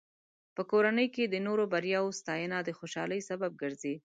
په کورنۍ کې د نورو بریاوو ستاینه د خوشحالۍ سبب ګرځي.